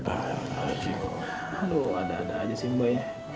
aduh ada ada aja sih mbak ya